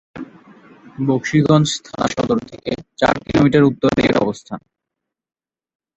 বকশীগঞ্জ থানা সদর থেকে চার কিলোমিটার উত্তরে এর অবস্থান।